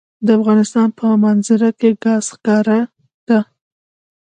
د افغانستان په منظره کې ګاز ښکاره ده.